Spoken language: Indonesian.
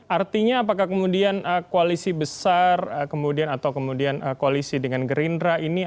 artinya apakah kemudian koalisi besar kemudian atau kemudian koalisi dengan gerindra ini